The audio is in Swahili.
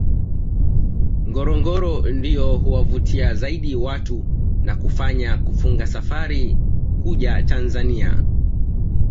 Ngorongoro ndiyo huwavutia zaidi watu na kuwafanya kufunga safari kuja Tanzania